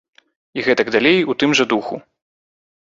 І гэтак далей у тым жа духу.